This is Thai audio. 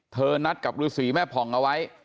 นัดกับฤษีแม่ผ่องเอาไว้